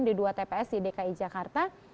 atau tps di dki jakarta